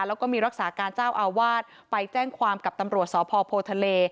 แล้วก็มีรักษาการเจ้าอาวาสไปแจ้งความกับตำรวจสพโพทะเล